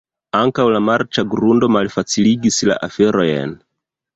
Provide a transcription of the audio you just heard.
Ankaŭ la marĉa grundo malfaciligis la aferojn.